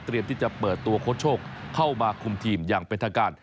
ที่จะเปิดตัวโค้ชโชคเข้ามาคุมทีมอย่างเป็นทางการ